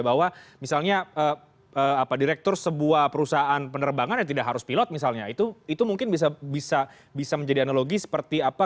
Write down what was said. bahwa misalnya direktur sebuah perusahaan penerbangan yang tidak harus pilot misalnya itu mungkin bisa menjadi analogi seperti apa